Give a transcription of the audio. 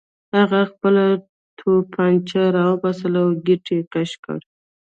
هغه خپله توپانچه راوباسله او ګېټ یې کش کړ